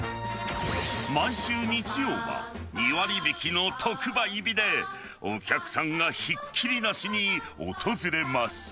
毎週日曜は、２割引きの特売日で、お客さんがひっきりなしに訪れます。